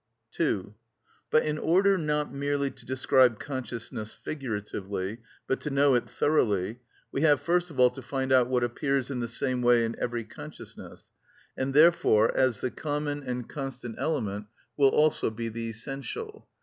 2. But in order not merely to describe consciousness figuratively, but to know it thoroughly, we have first of all to find out what appears in the same way in every consciousness, and therefore, as the common and constant element, will also be the essential.